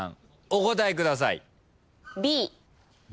お答えください。